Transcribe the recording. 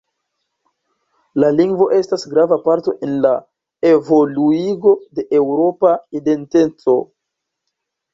La lingvo estas grava parto en la evoluigo de eŭropa identeco.